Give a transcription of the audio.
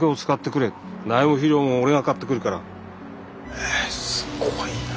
へえすごいな。